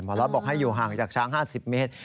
ล็อตบอกให้อยู่ห่างจากช้าง๕๐เมตร